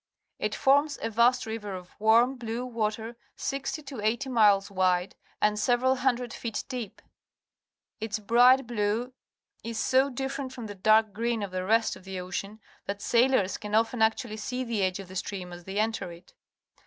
It forms a vast river of warm, blue water, sixty to eighty miles wide and several handled feet deep. Its bright blue is so different from the dark green of the rest of tlie ocean that sailors can often THE OCEAN 49 actually see the edge of the stream as they enter it.